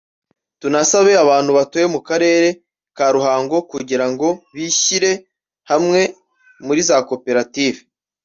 tunasabe abantu batuye mu karere ka Ruhango kugira ngo bishyire hamwe muri za koperative